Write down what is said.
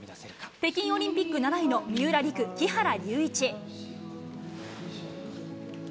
北京オリンピック７位の三浦璃来・木原龍一。